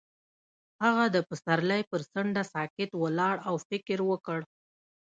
هغه د پسرلی پر څنډه ساکت ولاړ او فکر وکړ.